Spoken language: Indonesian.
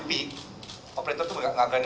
peak operator itu gak berani